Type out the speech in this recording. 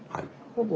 ほぼ。